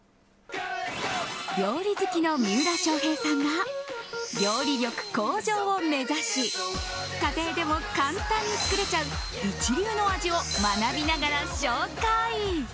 料理好きの三浦翔平さんが料理力向上を目指し家庭でも簡単に作れちゃう一流の味を学びながら紹介。